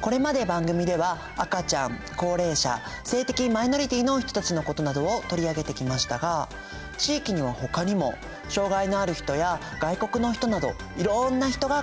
これまで番組では赤ちゃん高齢者性的マイノリティーの人たちのことなどを取り上げてきましたが地域にはほかにも障がいのある人や外国の人などいろんな人が暮らしています。